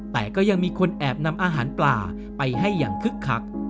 แต่ก็ยังมีคนแอบนำอาหารปลาไปให้อย่างคึกคัก